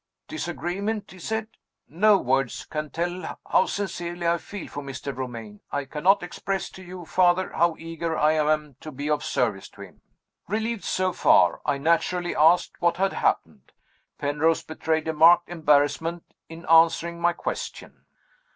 'Disagreement?' he said. 'No words can tell how sincerely I feel for Mr. Romayne. I cannot express to you, Father, how eager I am to be of service to him!' "Relieved, so far, I naturally asked what had happened. Penrose betrayed a marked embarrassment in answering my question.